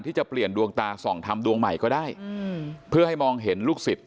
ที่จะเปลี่ยนดวงตาส่องทำดวงใหม่ก็ได้เพื่อให้มองเห็นลูกศิษย